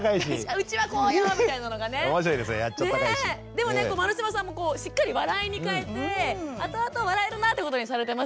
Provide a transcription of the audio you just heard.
でもね丸島さんもしっかり笑いに変えてあとあと笑えるなってことにされてますよね。